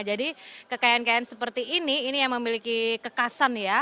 jadi kekayaan kekayaan seperti ini ini yang memiliki kekasan ya